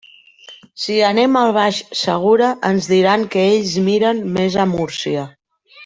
Si anem al Baix Segura, ens diran que ells miren més a Múrcia.